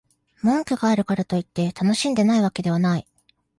文句があるからといって、楽しんでないわけではない